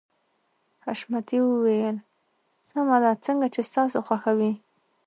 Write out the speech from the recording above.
حشمتي وويل سمه ده څنګه چې ستاسو خوښه وي.